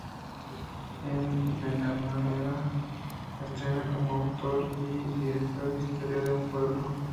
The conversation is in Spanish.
En Benalmádena estrena como autor y director "Historia de un pueblo.